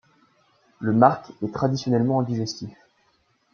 Le marc est traditionnellement un digestif.